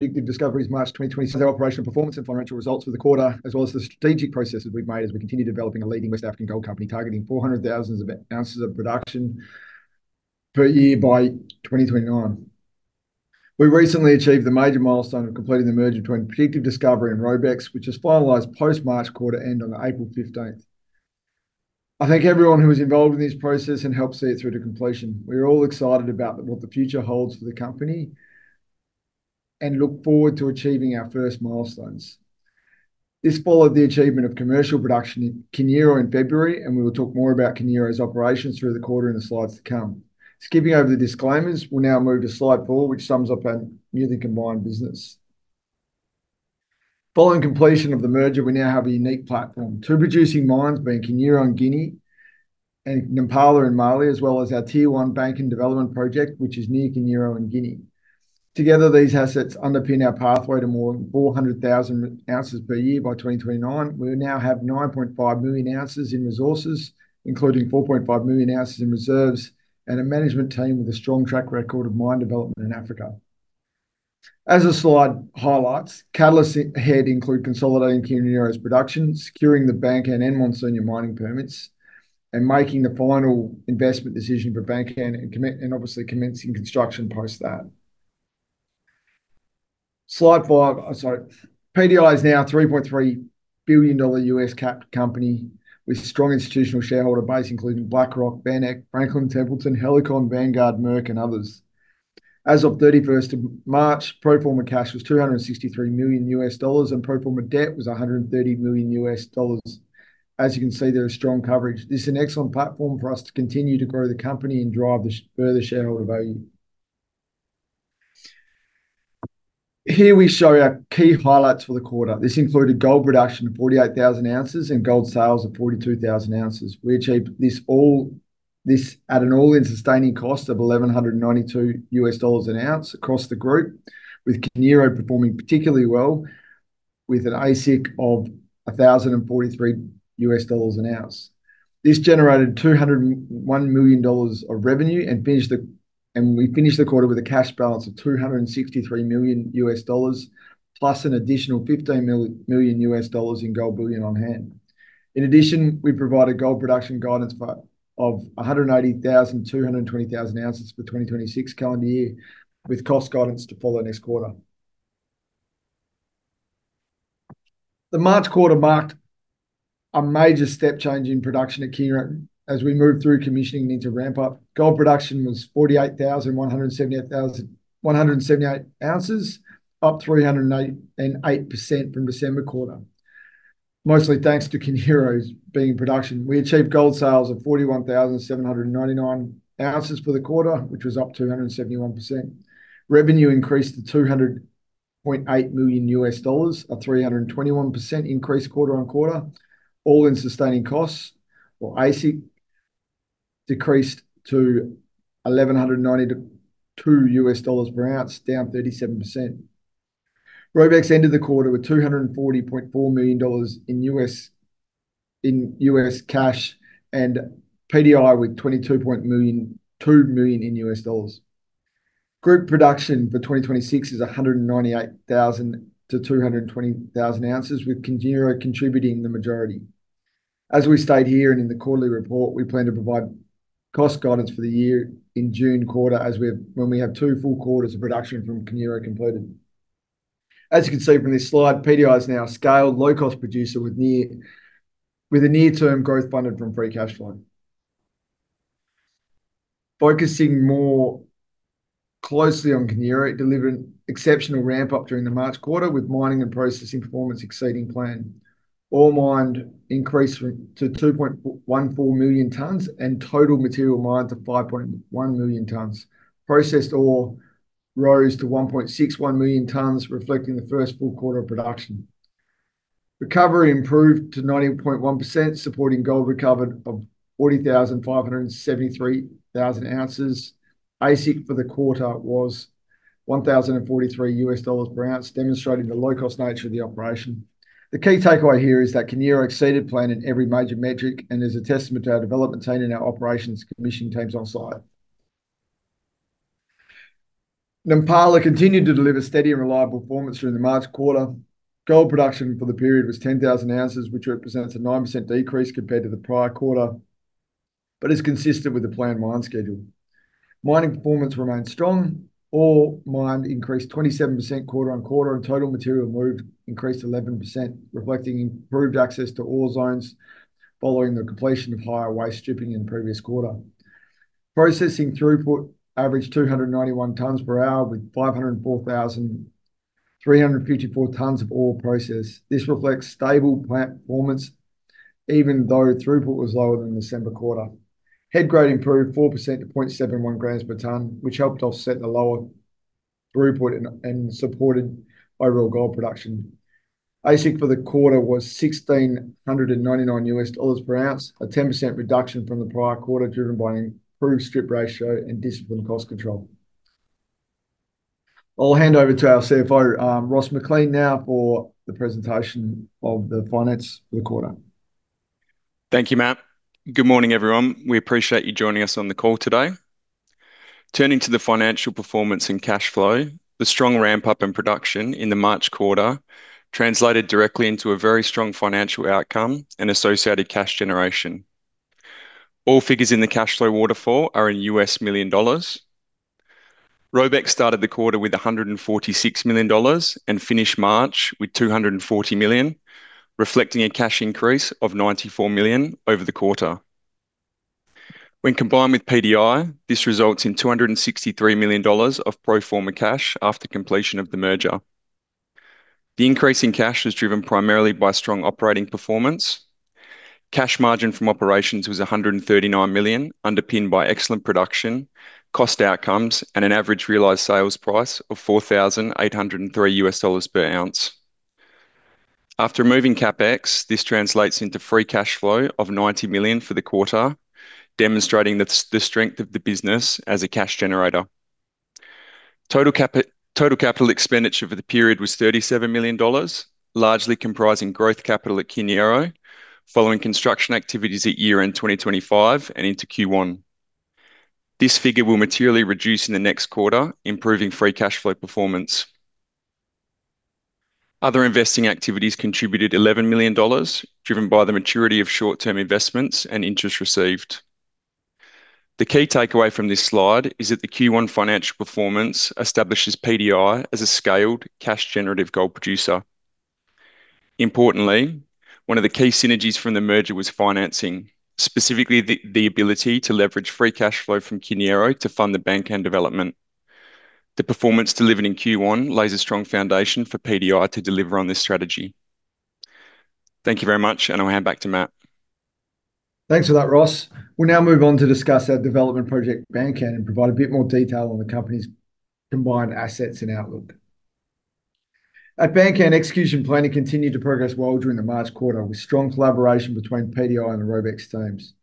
Predictive Discovery's March 2020 operational performance and financial results for the quarter, as well as the strategic progress we've made as we continue developing a leading West African gold company targeting 400,000 ounces of production per year by 2029. We recently achieved the major milestone of completing the merger between Predictive Discovery and Robex, which was finalized post-March quarter end on April 15th. I thank everyone who was involved in this process and helped see it through to completion. We're all excited about what the future holds for the company and look forward to achieving our first milestones. This followed the achievement of commercial production in Kiniéro in February, and we will talk more about Kiniéro's operations through the quarter in the slides to come. Skipping over the disclaimers, we'll now move to slide four, which sums up our newly combined business. Following completion of the merger, we now have a unique platform. Two producing mines being Kiniéro in Guinea and Nampala in Mali, as well as our tier-one Bankan development project which is near Kiniéro in Guinea. Together, these assets underpin our pathway to more than 400,000 ounces per year by 2029. We now have 9.5 million ounces in resources, including 4.5 million ounces in reserves, and a management team with a strong track record of mine development in Africa. As the slide highlights, catalysts ahead include consolidating Kiniéro's production, securing the Bankan and Mansounia mining permits, and making the final investment decision for Bankan and obviously commencing construction post that. Slide five. Oh, sorry. PDI is now a $3.3 billion U.S.-capped company with strong institutional shareholder base including BlackRock, VanEck, Franklin Templeton, Helikon, Vanguard, Merck and others. As of 31st March, pro forma cash was $263 million, and pro forma debt was $130 million. As you can see, there is strong coverage. This is an excellent platform for us to continue to grow the company and drive further shareholder value. Here we show our key highlights for the quarter. This included gold production of 48,000 ounces and gold sales of 42,000 ounces. We achieved this at an all-in sustaining cost of $1,192 an ounce across the group, with Kiniéro performing particularly well with an AISC of $1,043 an ounce. This generated $201 million of revenue and we finished the quarter with a cash balance of $263 million, plus an additional $15 million in gold bullion on hand. In addition, we provided gold production guidance of 180,000-220,000 ounces for 2026 calendar year, with cost guidance to follow next quarter. The March quarter marked a major step change in production at Kiniéro as we moved through commissioning and into ramp up. Gold production was 48,178 ounces, up 308% from December quarter. Mostly, thanks to Kiniéro's being in production. We achieved gold sales of 41,799 ounces for the quarter, which was up 271%. Revenue increased to $200.8 million, a 321% increase quarter-on-quarter. All-in sustaining costs for AISC decreased to $1,190-$2,000 per ounce, down 37%. Robex ended the quarter with $240.4 million in US cash and PDI with $2 million in US dollars. Group production for 2026 is 198,000-220,000 ounces with Kiniéro contributing the majority. As we state here and in the quarterly report, we plan to provide cost guidance for the year in June quarter when we have two full quarters of production from Kiniéro completed. As you can see from this slide, PDI is now a scaled low-cost producer with a near-term growth funded from free cash flow. Focusing more closely on Kiniéro, it delivered exceptional ramp-up during the March quarter with mining and processing performance exceeding plan. Ore mined increased to 2.14 million tonnes and total material mined to 5.1 million tonnes. Processed ore rose to 1.61 million tonnes, reflecting the first full quarter of production. Recovery improved to 19.1%, supporting gold recovered of 45,073 ounces. AISC for the quarter was $1,043 per ounce, demonstrating the low-cost nature of the operation. The key takeaway here is that Kiniéro exceeded plan in every major metric and is a testament to our development team and our operations commissioning teams on site. Nampala continued to deliver steady and reliable performance during the March quarter. Gold production for the period was 10,000 ounces, which represents a 9% decrease compared to the prior quarter, but is consistent with the planned mine schedule. Mining performance remained strong. Ore mined increased 27% quarter on quarter, and total material moved increased 11%, reflecting improved access to ore zones following the completion of higher waste stripping in the previous quarter. Processing throughput averaged 291 tonnes per hour with 504,354 tonnes of ore processed. This reflects stable plant performance, even though throughput was lower than December quarter. Head grade improved 4% to 0.71 grams per ton, which helped offset the lower throughput and supported by real gold production. AISC for the quarter was $1,699 per ounce, a 10% reduction from the prior quarter, driven by an improved strip ratio and disciplined cost control. I'll hand over to our CFO, Ross McLean now for the presentation of the finance for the quarter Thank you, Matt. Good morning, everyone. We appreciate you joining us on the call today. Turning to the financial performance and cash flow, the strong ramp up in production in the March quarter translated directly into a very strong financial outcome and associated cash generation. All figures in the cash flow waterfall are in US millions dollars. Robex started the quarter with $146 million and finished March with $240 million, reflecting a cash increase of $94 million over the quarter. When combined with PDI, this results in $263 million of pro forma cash after completion of the merger. The increase in cash was driven primarily by strong operating performance. Cash margin from operations was $139 million, underpinned by excellent production, cost outcomes and an average realized sales price of $4,803 per ounce. After removing CapEx, this translates into free cash flow of $90 million for the quarter, demonstrating the strength of the business as a cash generator. Total capital expenditure for the period was $37 million, largely comprising growth capital at Kiniéro following construction activities at year-end 2025 and into Q1. This figure will materially reduce in the next quarter, improving free cash flow performance. Other investing activities contributed $11 million, driven by the maturity of short-term investments and interest received. The key takeaway from this slide is that the Q1 financial performance establishes PDI as a scaled cash generative gold producer. Importantly, one of the key synergies from the merger was financing, specifically the ability to leverage free cash flow from Kiniéro to fund the Bankan development. The performance delivered in Q1 lays a strong foundation for PDI to deliver on this strategy. Thank you very much, and I'll hand back to Matt. Thanks for that, Ross. We'll now move on to discuss our development project, Bankan, and provide a bit more detail on the company's combined assets and outlook. At Bankan, execution planning continued to progress well during the March quarter with strong collaboration between PDI and the Robex teams.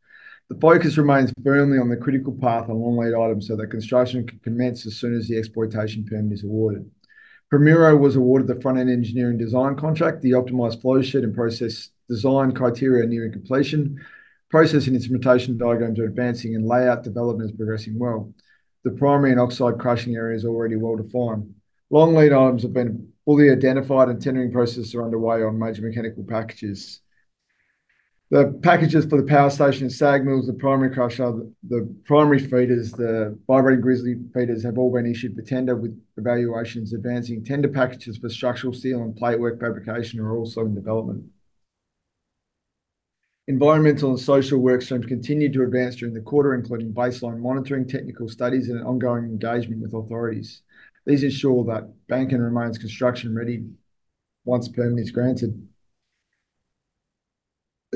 The focus remains firmly on the critical path and long lead items so that construction can commence as soon as the exploitation permit is awarded. Primero was awarded the front-end engineering design contract. The optimized flow sheet and process design criteria are nearing completion. Process and instrumentation diagrams are advancing, and layout development is progressing well. The primary and oxide crushing area is already well-defined. Long lead items have been fully identified, and tendering processes are underway on major mechanical packages. The packages for the power station, SAG mills, the primary crusher, the primary feeders, the vibrating grizzly feeders have all been issued for tender with evaluations advancing. Tender packages for structural steel and plate work fabrication are also in development. Environmental and social work streams continued to advance during the quarter, including baseline monitoring, technical studies and ongoing engagement with authorities. These ensure that Bankan remains construction ready once the permit is granted.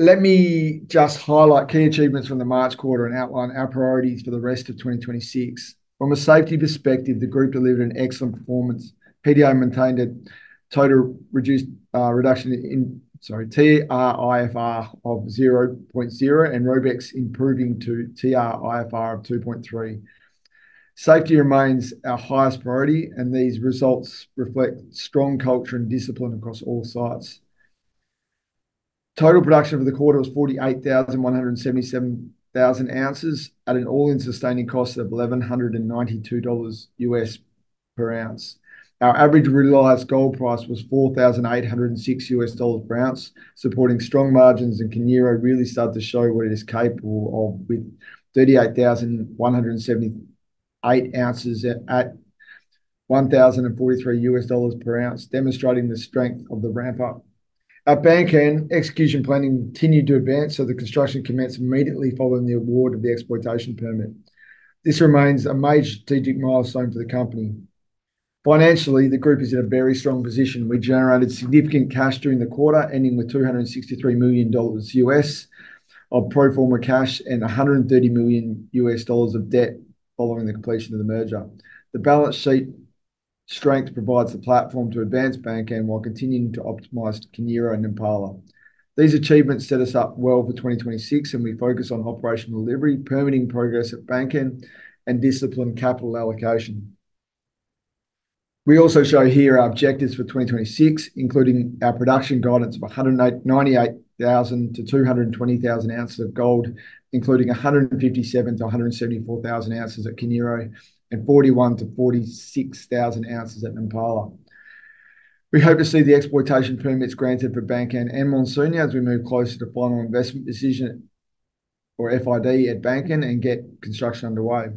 Let me just highlight key achievements from the March quarter and outline our priorities for the rest of 2026. From a safety perspective, the group delivered an excellent performance. PDI maintained a TRIFR of 0.0 and Robex's improving to TRIFR of 2.3. Safety remains our highest priority, and these results reflect strong culture and discipline across all sites. Total production for the quarter was 48,177 ounces at an all-in sustaining cost of $1,192 per ounce. Our average realized gold price was $4,806 per ounce, supporting strong margins, and Kiniéro really started to show what it is capable of with 38,178 ounces at $1,043 per ounce, demonstrating the strength of the ramp up. At Bankan, execution planning continued to advance so that construction can commence immediately following the award of the exploitation permit. This remains a major strategic milestone for the company. Financially, the group is in a very strong position. We generated significant cash during the quarter, ending with $263 million of pro forma cash and $130 million of debt following the completion of the merger. The balance sheet strength provides the platform to advance Bankan while continuing to optimize Kiniéro and Nampala. These achievements set us up well for 2026, and we focus on operational delivery, permitting progress at Bankan and disciplined capital allocation. We also show here our objectives for 2026, including our production guidance of 198,000-220,000 ounces of gold, including 157,000-174,000 ounces at Kiniéro and 41,000-46,000 ounces at Nampala. We hope to see the exploitation permits granted for Bankan and Mansounia as we move closer to final investment decision for FID at Bankan and get construction underway.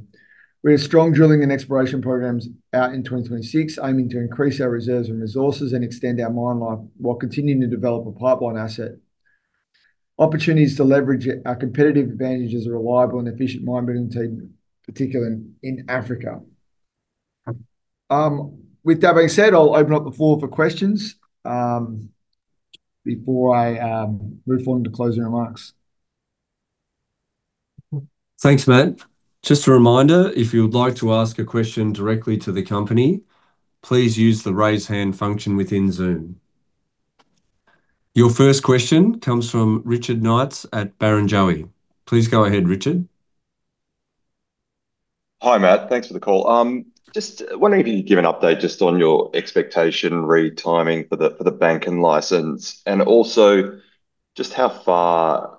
We have strong drilling and exploration programs out in 2026, aiming to increase our reserves and resources and extend our mine life while continuing to develop a pipeline asset. Opportunities to leverage our competitive advantage as a reliable and efficient mine-building team, particularly in Africa. With that being said, I'll open up the floor for questions before I move on to closing remarks. Thanks, Matt. Just a reminder, if you would like to ask a question directly to the company, please use the raise hand function within Zoom. Your first question comes from Richard Knights at Barrenjoey. Please go ahead, Richard. Hi, Matt. Thanks for the call. Just wondering if you could give an update just on your expectations regarding timing for the Bankan license, and also just how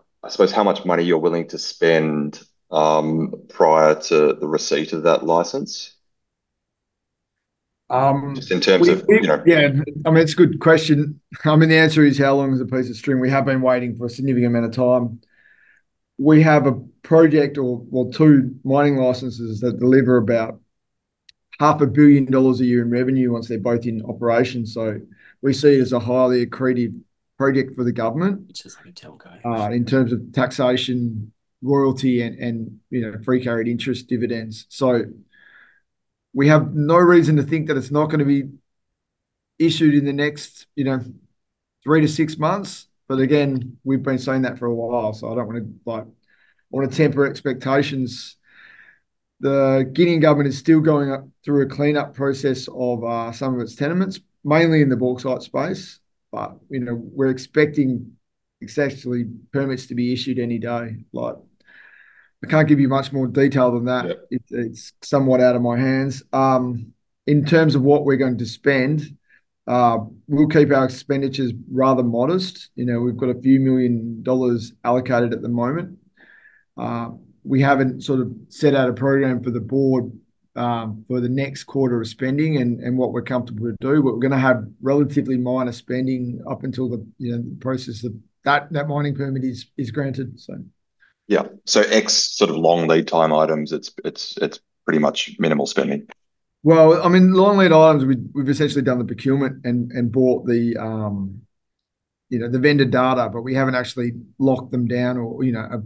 much money you're willing to spend prior to the receipt of that license? Just in terms of, you know. Yeah. I mean, it's a good question. I mean, the answer is how long is a piece of string? We have been waiting for a significant amount of time. We have a project or two mining licenses that deliver about $500 million a year in revenue once they're both in operation. We see it as a highly accretive project for the government. It's just like a telco. In terms of taxation, royalty and you know, pre-carried interest dividends. We have no reason to think that it's not gonna be issued in the next three to six months. Again, we've been saying that for a while, so I don't wanna like I wanna temper expectations. The Guinea government is still going through a cleanup process of some of its tenements, mainly in the bauxite space. You know, we're expecting essentially permits to be issued any day. Like, I can't give you much more detail than that. Yeah. It's somewhat out of my hands. In terms of what we're going to spend, we'll keep our expenditures rather modest. You know, we've got a few million dollars allocated at the moment. We haven't sort of set out a program for the board for the next quarter of spending and what we're comfortable to do. We're gonna have relatively minor spending up until you know the process of that mining permit is granted. Yeah. X sort of long lead time items, it's pretty much minimal spending? Well, I mean, long lead items, we've essentially done the procurement and bought the, you know, the vendor data, but we haven't actually locked them down or, you know,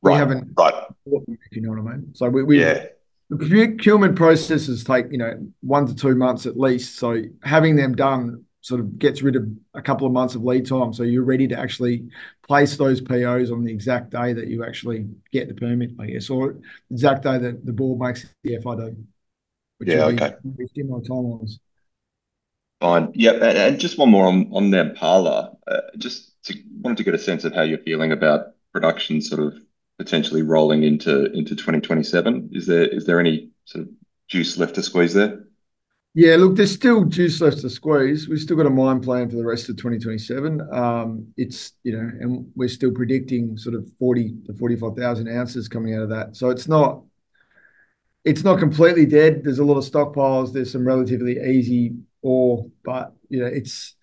Right. We haven't- Right bought them, you know what I mean? We Yeah... the procurement processes take, you know, one to two months at least. Having them done sort of gets rid of a couple of months of lead time, so you're ready to actually place those POs on the exact day that you actually get the permit, I guess, or exact day that the board makes the FID decision. Yeah. Okay which will be similar timelines. Fine. Yeah. Just one more on the Nampala. I wanted to get a sense of how you're feeling about production sort of potentially rolling into 2027. Is there any sort of juice left to squeeze there? Yeah. Look, there's still juice left to squeeze. We've still got a mine plan for the rest of 2027. We're still predicting sort of 40,000-45,000 ounces coming out of that. It's not completely dead. There's a lot of stockpiles. There's some relatively easy ore. You know, it's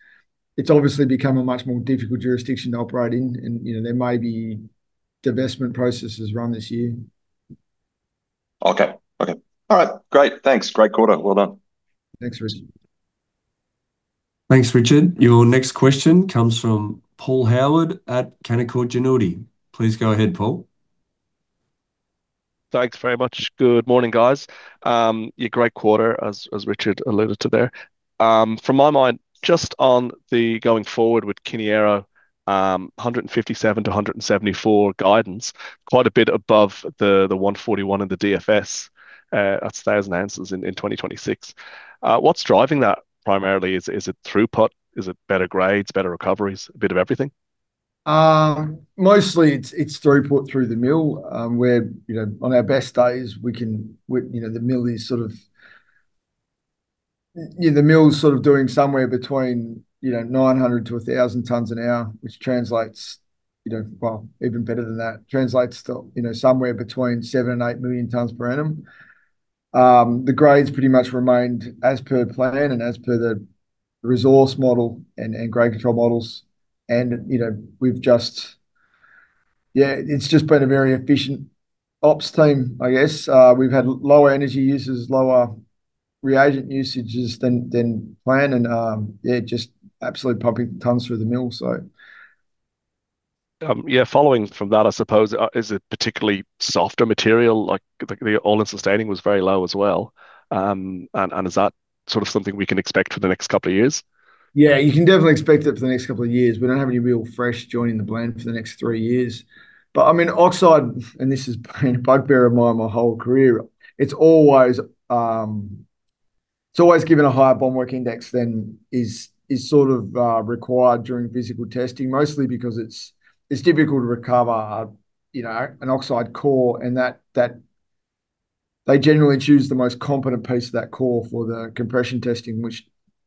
obviously become a much more difficult jurisdiction to operate in. You know, there may be divestment processes run this year. Okay. All right. Great. Thanks. Great quarter. Well done. Thanks, Richard. Thanks, Richard. Your next question comes from Paul Howard at Canaccord Genuity. Please go ahead, Paul. Thanks very much. Good morning, guys. Yeah, great quarter as Richard alluded to there. From my mind, just on the going forward with Kiniéro, 157 to 174 guidance, quite a bit above the 141 in the DFS. That's 1,000 ounces in 2026. What's driving that primarily? Is it throughput? Is it better grades, better recoveries, a bit of everything? Mostly it's throughput through the mill, where you know on our best days we can. The mill's sort of doing somewhere between 900-1,000 tons an hour, which translates you know. Well, even better than that. Translates to you know somewhere between 7-8 million tons per annum. The grades pretty much remained as per plan and as per the resource model and grade control models, you know. It's just been a very efficient ops team, I guess. We've had lower energy uses, lower reagent usages than planned, yeah, just absolutely pumping tons through the mill. Yeah. Following from that, I suppose, is it particularly softer material? Like, the all-in sustaining was very low as well. And is that sort of something we can expect for the next couple of years? Yeah. You can definitely expect it for the next couple of years. We don't have any real fresh joining the blend for the next three years. I mean, oxide, and this has been a bugbear of mine my whole career, it's always given a higher Bond Work Index than is sort of required during physical testing. Mostly because it's difficult to recover, you know, an oxide core. They generally choose the most competent piece of that core for the compression testing, which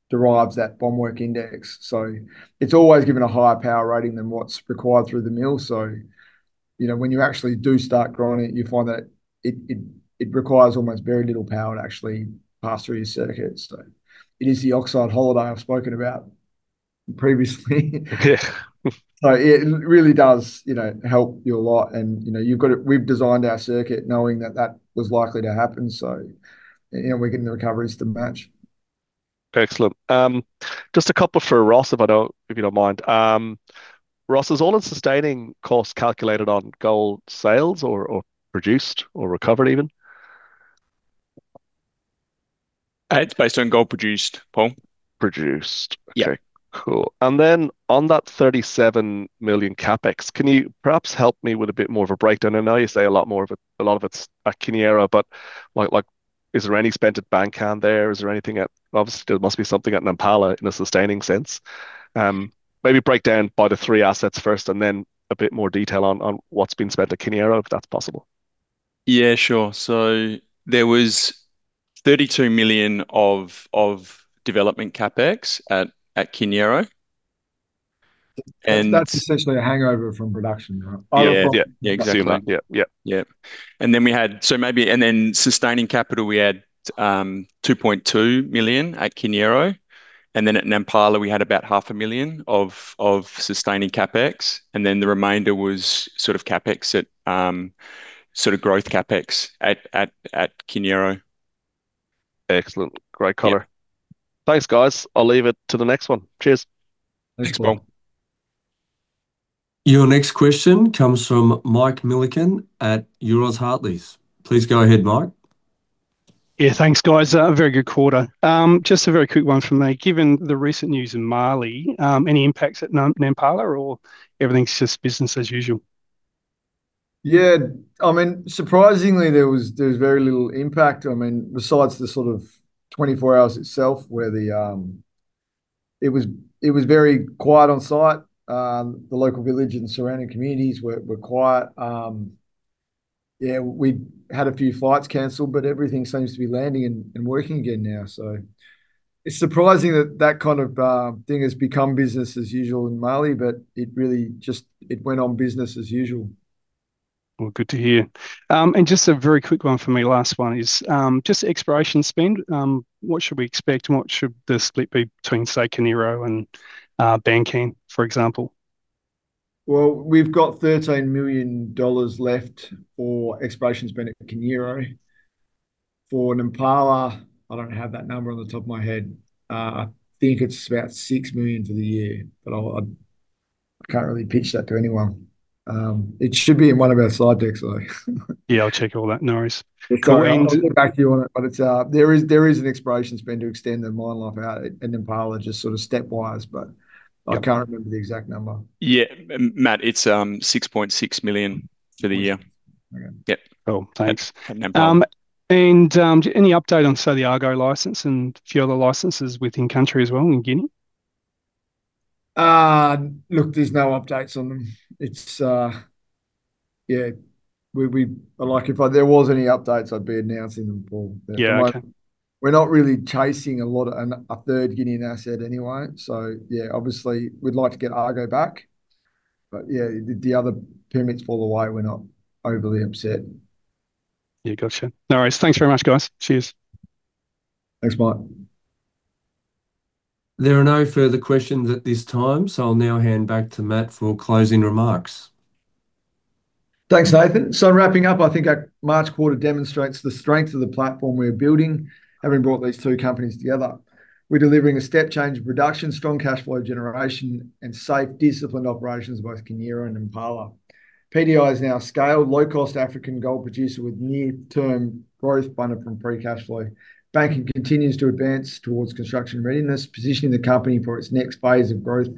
derives that Bond Work Index. It's always given a higher power rating than what's required through the mill. You know, when you actually do start grinding it, you find that it requires almost very little power to actually pass through your circuit. It is the oxide holiday I've spoken about previously. Yeah. It really does, you know, help you a lot and, you know, you've got it. We've designed our circuit knowing that that was likely to happen, so, you know, we're getting the recoveries to match. Excellent. Just a couple for Ross if you don't mind. Ross, is all-in sustaining costs calculated on gold sales or produced or recovered even? It's based on gold produced, Paul. Produced. Yeah. Okay. Cool. Then on that $37 million CapEx, can you perhaps help me with a bit more of a breakdown? I know you say a lot more of it, a lot of it's at Kiniéro, but, like, is there any spend at Bankan there? Is there anything at. Obviously, there must be something at Nampala in a sustaining sense. Maybe break down by the three assets first and then a bit more detail on what's been spent at Kiniéro, if that's possible. Yeah, sure. There was 32 million of development CapEx at Kiniéro and- That's essentially a hangover from production, right? Yeah. Oh, okay. Yeah. Yeah, exactly. Gotcha. Sustaining capital, we had 2.2 million at Kiniéro, and then at Nampala we had about 500,000 of sustaining CapEx, and then the remainder was sort of CapEx at sort of growth CapEx at Kiniéro. Excellent. Great quarter. Yeah. Thanks, guys. I'll leave it to the next one. Cheers. Thanks. Thanks, Paul. Your next question comes from Mike Millikan at Euroz Hartleys. Please go ahead, Mike. Yeah, thanks guys. A very good quarter. Just a very quick one from me. Given the recent news in Mali, any impacts at Nampala or everything's just business as usual? Yeah. I mean, surprisingly there was very little impact. I mean, besides the sort of 24 hours itself. It was very quiet on site. The local village and surrounding communities were quiet. Yeah, we had a few flights canceled, but everything seems to be landing and working again now. It's surprising that that kind of thing has become business as usual in Mali, but it really just went on business as usual. Well, good to hear. Just a very quick one from me, last one, is just exploration spend. What should we expect and what should the split be between, say, Kiniéro and Bankan, for example? Well, we've got 13 million dollars left for exploration spend at Kiniéro. For Nampala, I don't have that number off the top of my head. I think it's about 6 million for the year, but I can't really pitch that to anyone. It should be in one of our slide decks though. Yeah, I'll check all that. No worries. Sorry. So- I'll get back to you on it, but there is an exploration spend to extend the mine life out at Nampala just sort of stepwise, but I can't remember the exact number. Yeah. Matt, it's 6.6 million for the year. Okay. Yep. Cool. Thanks. At Nampala. Any update on, say, the Argo license and a few other licenses within country as well in Guinea? Look, there's no updates on them. It's. Yeah. Like, if there was any updates, I'd be announcing them, Paul. Yeah. Okay. We're not really chasing a lot, a third Guinea asset anyway. Yeah, obviously we'd like to get Argo back. Yeah, if the other permits fall away, we're not overly upset. Yeah. Gotcha. No worries. Thanks very much, guys. Cheers. Thanks, Mike. There are no further questions at this time, so I'll now hand back to Matt for closing remarks. Thanks, Nathan. In wrapping up, I think our March quarter demonstrates the strength of the platform we're building, having brought these two companies together. We're delivering a step change of production, strong cash flow generation, and safe disciplined operations in both Kiniéro and Nampala. PDI is now a scaled, low-cost African gold producer with near-term growth funded from free cash flow. Bankan continues to advance towards construction readiness, positioning the company for its next phase of growth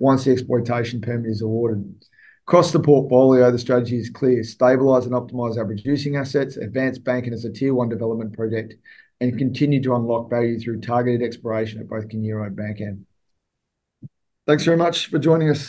once the exploitation permit is awarded. Across the portfolio, the strategy is clear. Stabilize and optimize our producing assets, advance Bankan as a tier one development project, and continue to unlock value through targeted exploration at both Kiniéro and Bankan. Thanks very much for joining us.